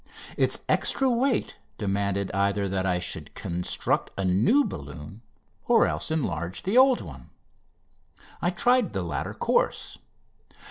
Its extra weight demanded either that I should construct a new balloon or else enlarge the old one. I tried the latter course.